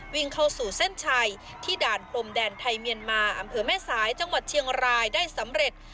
วิ่งเข้าสู่เส้นชัยที่ด่านพรมแดนไทยเมียนมาอำเภอแม่สายจังหวัดเชียงรายได้สำเร็จ